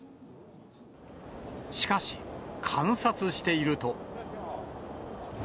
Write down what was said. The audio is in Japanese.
しかし、観察していると。